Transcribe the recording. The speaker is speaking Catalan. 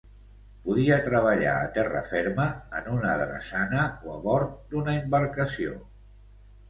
Podia treballar a terra ferma, en una drassana, o a bord d'una embarcació.